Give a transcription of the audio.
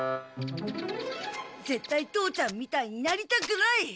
ぜったい父ちゃんみたいになりたくない！